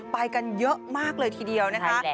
ไปกันเยอะมากเลยทีเดียวนะคะ